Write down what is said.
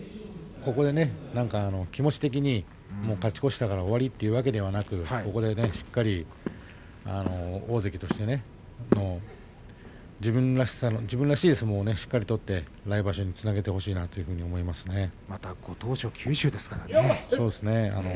ここで気持ち的に勝ち越したから終わりということではなくしっかりと大関として自分らしい相撲を取って来場所につなげてほしいとご当所、九州ですからね。